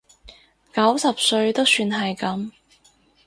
九十歲都算係噉